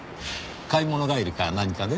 買い物帰りか何かで？